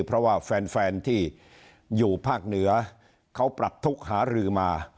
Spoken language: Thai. เพราะว่าแฟนที่อยู่ภาคเหนือเขาปรับทุกข์หารือมา